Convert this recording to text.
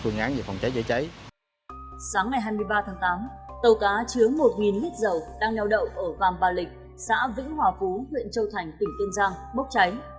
sáng ngày hai mươi ba tháng tám tàu cá chứa một lít dầu đang neo đậu ở vàm bà lịch xã vĩnh hòa phú huyện châu thành tỉnh kiên giang bốc cháy